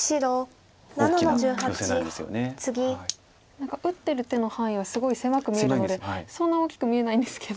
何か打ってる手の範囲はすごい狭く見えるのでそんな大きく見えないんですけど。